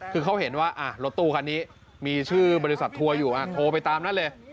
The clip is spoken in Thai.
คือเขาเห็นว่ารถตู้คันนี้มีชื่อบริษัททัวร์อยู่โทรไปตามนั้นเลย